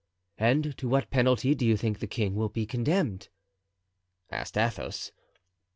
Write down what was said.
"And to what penalty do you think the king will be condemned?" asked Athos.